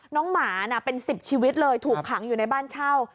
หมาเป็น๑๐ชีวิตเลยถูกขังอยู่ในบ้านเช่า